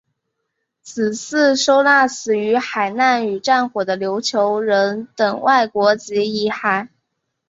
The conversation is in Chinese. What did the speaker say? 此祠收纳死于海难与战火的琉球人等外国籍遗骸。